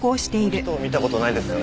えー見た事ないですね。